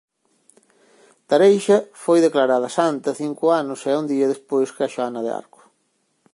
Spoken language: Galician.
Tareixa foi declarada santa cinco anos e un día despois que Xoana de Arco.